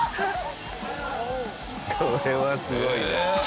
これはすごいな。